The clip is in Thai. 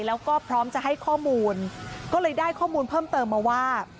แล้วก็พร้อมจะให้ข้อมูลก็เลยได้ข้อมูลเพิ่มเติมมาว่า